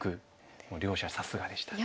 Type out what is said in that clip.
もう両者さすがでしたね。